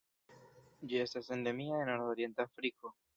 Ĝi estas endemia de nordorienta Afriko.